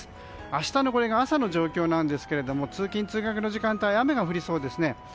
明日の朝の状況ですが通勤・通学の時間帯雨が降りそうですね。